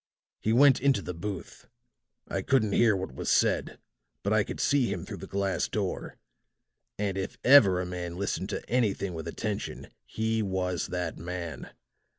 "He went into the booth; I couldn't hear what was said, but I could see him through the glass door; and if ever a man listened to anything with attention, he was that man.